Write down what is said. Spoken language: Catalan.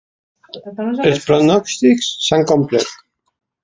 Els pronòstics s’han complert.